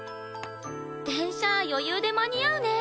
電車余裕で間に合うね。